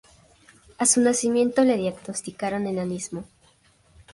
A su nacimiento le diagnosticaron Enanismo.